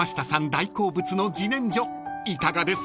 大好物の自然薯いかがですか？］